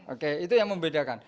oke itu yang membedakan